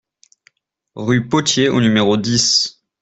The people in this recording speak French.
Rue Potier au numéro dix